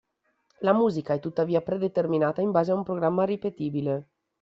La musica è tuttavia predeterminata in base a un programma ripetibile.